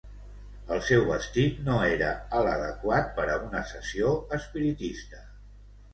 El seu vestit no era el adequat per a una sessió espiritista.